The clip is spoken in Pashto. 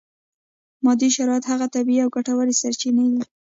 مادي شرایط هغه طبیعي او ګټورې سرچینې دي.